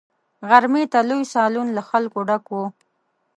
غرمې ته لوی سالون له خلکو ډک وو.